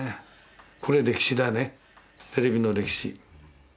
これ歴史だねテレビの歴史。